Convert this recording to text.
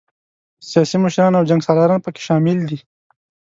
سیاسي مشران او جنګ سالاران پکې شامل دي.